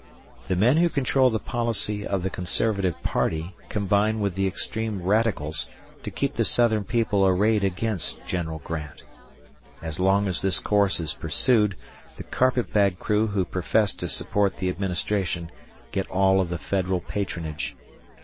The men who control the policy of the Conservative party combine with the extreme Radicals to keep the Southern people arrayed against General Grant. As long as this course is pursued, the carpetbag crew who profess to support the administration get all the Federal patronage.